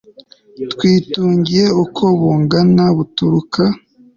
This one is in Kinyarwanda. twitungiye uko bungana, buturuka